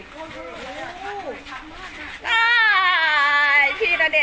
พี่ตาเดชจับ